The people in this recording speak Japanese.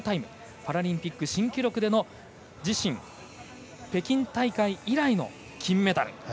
パラリンピック新記録での自身、北京大会以来の金メダル。